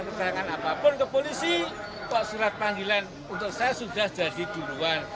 keterangan apapun ke polisi kok surat panggilan untuk saya sudah jadi duluan